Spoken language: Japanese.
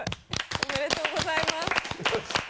おめでとうございます。